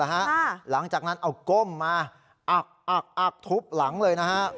หลังจากนั้นเอาก้มมาอักอักอักทุบหลังเลยนะฮะ